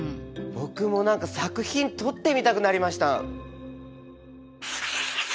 僕も何か作品撮ってみたくなりました。